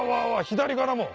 左からも。